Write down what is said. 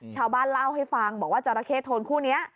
ชาวบ้านเล่าให้ฟังบอกว่าจราเข้โทนคู่นี้